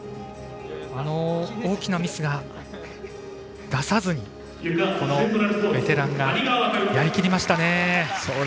大きなミスを出さずにこのベテランがやりきりましたね。